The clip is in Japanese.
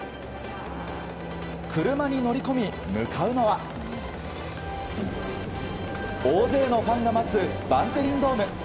車に乗り込み向かうのは大勢のファンが待つバンテリンドーム。